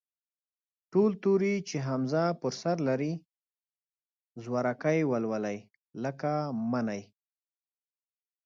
ټول توري چې همزه پر سر لري، زورکی ولولئ، لکه: مٔنی.